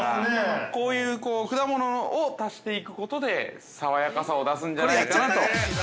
こういう果物を足していくことで爽やかさを出すんじゃないかなと。